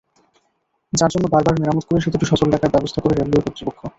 যার জন্য বারবার মেরামত করে সেতুটি সচল রাখার ব্যবস্থা করে রেলওয়ে কর্তৃপক্ষ।